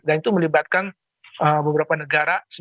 dan itu melibatkan beberapa negara